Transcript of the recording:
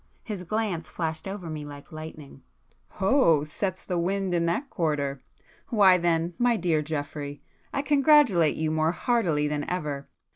His glance flashed over me like lightning. "Oh!—sets the wind in that quarter! Why then, my dear Geoffrey, I congratulate you more heartily than ever.